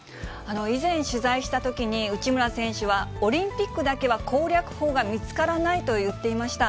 以前、取材したときに、内村選手は、オリンピックだけは攻略法が見つからないと言っていました。